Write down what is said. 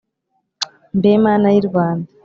Mbe Mana y’i Rwanda